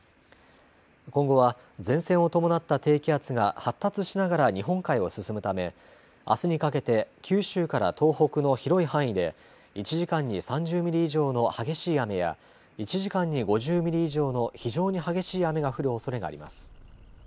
今後は前線を伴った低気圧が発達しながら日本海を進むためあすにかけて九州から東北の広い範囲で１時間に３０ミリ以上の激しい雨や１時間に５０ミリ以上の非常に激しい雨が降るおそれがあります。